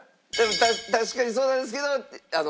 確かにそうなんですけど。